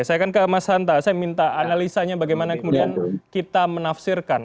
saya akan ke mas hanta saya minta analisanya bagaimana kemudian kita menafsirkan